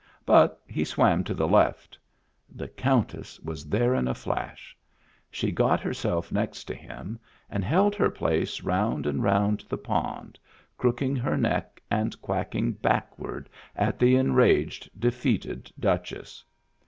But he swam to the left. The Countess was there in a flash. She got herself next to him and held her place round and round the pond, crooking her neck and quack ing backward at the enraged, defeated Duchess.